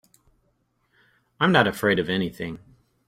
I'm not afraid of anything.